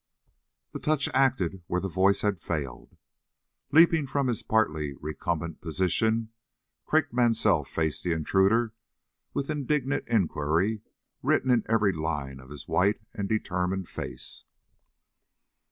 The touch acted where the voice had failed. Leaping from his partly recumbent position, Craik Mansell faced the intruder with indignant inquiry written in every line of his white and determined face.